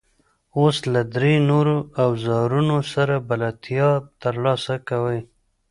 اوس له درې نورو اوزارونو سره بلدیتیا ترلاسه کوئ.